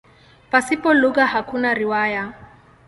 Pasipo lugha hakuna riwaya.